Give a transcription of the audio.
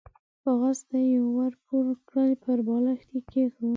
کاغذ ته يې ور پوه کړل، پر بالښت يې کېښود.